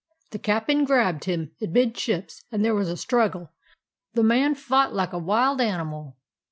The cap'n grabbed him amidships and there was a struggle. The man fought like a wild animal.